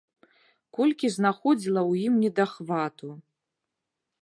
Колькі знаходзіла ў ім недахвату!